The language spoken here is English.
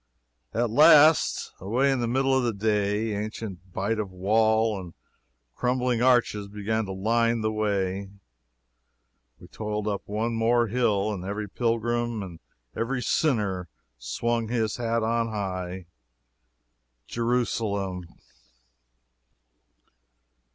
At last, away in the middle of the day, ancient bite of wall and crumbling arches began to line the way we toiled up one more hill, and every pilgrim and every sinner swung his hat on high! Jerusalem!